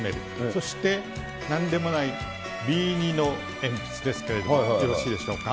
そしてなんでもないＢ２の鉛筆ですけれども、よろしいでしょうか。